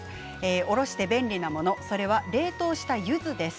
おろして便利なものそれは冷凍した、ゆずです。